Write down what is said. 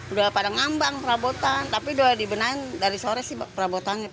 udah pada ngambang perabotan tapi udah dibenahin dari sore sih perabotannya